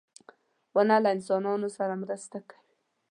• ونه له انسانانو سره مرسته کوي.